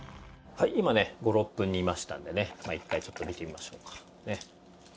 今ね５６分煮ましたんでねまあ一回ちょっと見てみましょうかね。